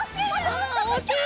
あおしい！